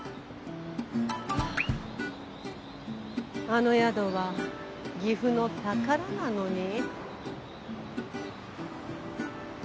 あの宿は岐阜の宝なのに。